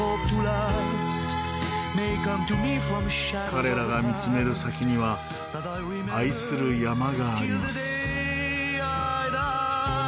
彼らが見つめる先には愛する山があります。